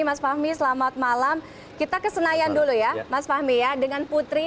mas fahmi selamat malam kita ke senayan dulu ya mas fahmi ya dengan putri